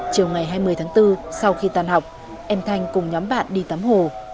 chiều ngày hai mươi tháng bốn sau khi tan học em thanh cùng nhóm bạn đi tắm hồ